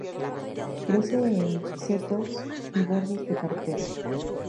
Crece en setos y bordes de carreteras.